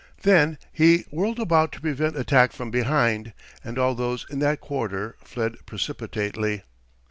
Then he whirled about to prevent attack from behind, and all those in that quarter fled precipitately.